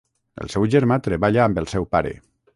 El seu germà gran treballa amb el seu pare.